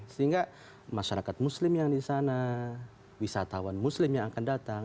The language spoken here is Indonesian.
sehingga masyarakat muslim yang di sana wisatawan muslim yang akan datang